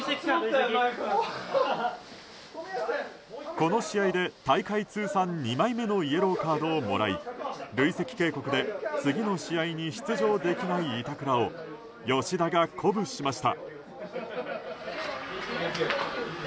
この試合で大会通算２枚目のイエローカードをもらい累積警告で次の試合に出場できない板倉を吉田が鼓舞しました。